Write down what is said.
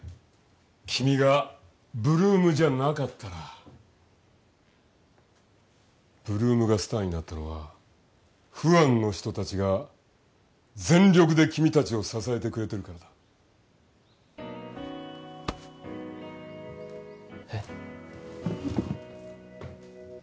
君が８ＬＯＯＭじゃなかったら８ＬＯＯＭがスターになったのはファンの人達が全力で君達を支えてくれてるからだえっ？